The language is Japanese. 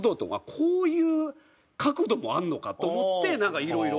こういう角度もあるのかと思ってなんかいろいろ。